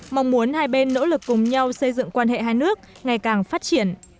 mong muốn hai bên nỗ lực cùng nhau xây dựng quan hệ hai nước ngày càng phát triển